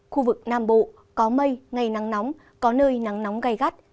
khu vực nam bộ có mây ngày nắng nóng có nơi nắng nóng gai gắt